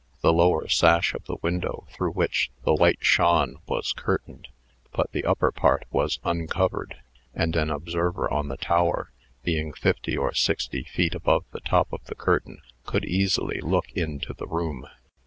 The lower sash of the window through which the light shone was curtained, but the upper part was uncovered; and an observer on the tower, being fifty or sixty feet above the top of the curtain, could easily look into the room.